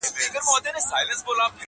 قافلې پر لويو لارو لوټېدلې-